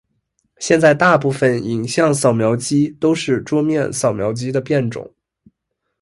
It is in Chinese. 现在大部份影像扫描机都是桌面扫描机的变种。